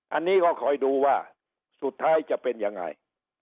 อันนี้ก็คอยดูว่าสุดท้ายจะเป็นยังไง